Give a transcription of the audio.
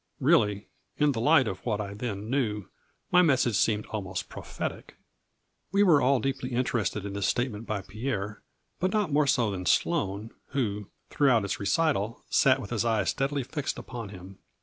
Really, in the light of what I then knew, my message seemed almost prophetic." We were all deeply interested in this state ment by Pierre, but not more so than Sloane, who, throughout its recital, sat with his eyes steadily fixed upon him.